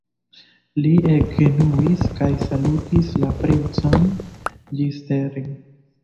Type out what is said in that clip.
Li ekgenuis kaj salutis la princon ĝisteren.